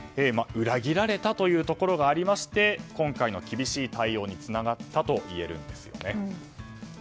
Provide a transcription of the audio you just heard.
裏切られたというところがありまして今回の厳しい対応につながったといえるんです。